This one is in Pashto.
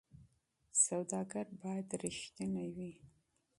سوداګر باید صادق وي.